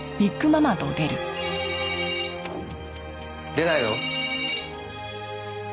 出ないの？